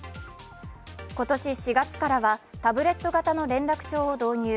今年４月からはタブレット型の連絡帳を導入。